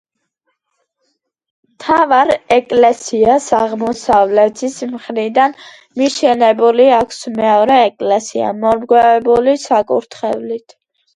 მთავარ ეკლესიას აღმოსავლეთის მხრიდან მიშენებული აქვს მეორე ეკლესია, მომრგვალებული საკურთხევლით.